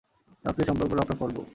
রক্তের সম্পর্ককে রক্ষা করবেো।